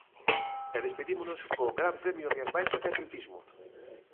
E despedímonos co Gran Premio Rías Baixas de atletismo.